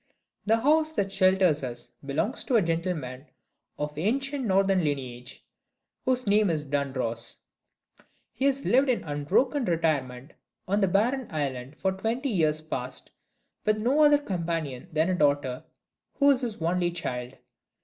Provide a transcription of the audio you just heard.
The house that shelters us belongs to a gentleman of ancient Northern lineage, whose name is Dunross. He has lived in unbroken retirement on the barren island for twenty years past, with no other companion than a daughter, who is his only child.